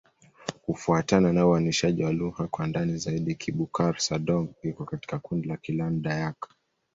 Kufuatana na uainishaji wa lugha kwa ndani zaidi, Kibukar-Sadong iko katika kundi la Kiland-Dayak.